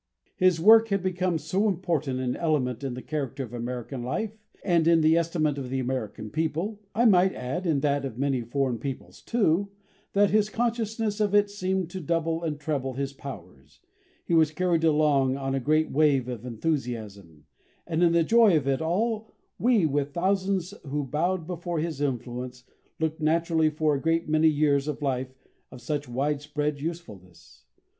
His work had become so important an element in the character of American life, and in the estimate of the American people I might add, in that of many foreign peoples, too that his consciousness of it seemed to double and treble his powers; he was carried along on a great wave of enthusiasm; and in the joy of it all, we, with the thousands who bowed before his influence, looked naturally for a great many years of a life of such wide spread usefulness.